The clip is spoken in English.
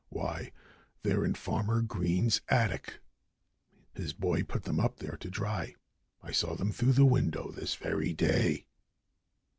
"Why they're in Farmer Green's attic. His boy put them up there to dry. I saw them through the window, this very day."